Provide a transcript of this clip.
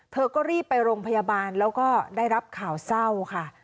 เธอก็รีบไปโรงพยาบาลแล้วก็ได้รับข่าวเศร้าค่ะ